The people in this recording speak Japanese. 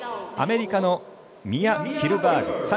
アメリカのミア・キルバーグ。